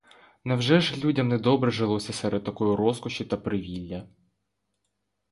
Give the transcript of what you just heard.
Невже ж людям недобре жилося серед такої розкоші та привілля?